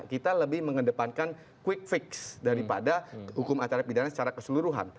kita lebih mengedepankan quick fix daripada hukum acara pidana secara keseluruhan